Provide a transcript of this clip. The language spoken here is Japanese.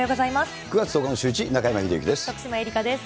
９月１０日のシューイチ、徳島えりかです。